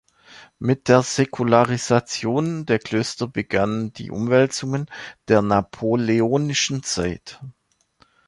Mit der Säkularisation der Klöster begannen die Umwälzungen der napoleonischen Zeit.